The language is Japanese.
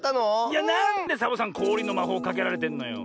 いやなんでサボさんこおりのまほうかけられてんのよ。